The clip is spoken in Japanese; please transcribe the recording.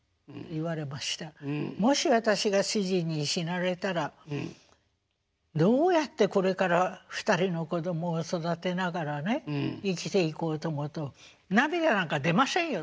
「もし私が主人に死なれたらどうやってこれから２人の子供を育てながらね生きていこうと思うと涙なんか出ませんよ！」